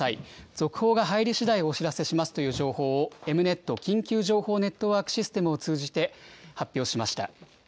続報が入りしだい、お知らせしますという情報を、エムネット・緊急情報ネットワークシステムを通じて、発表しました。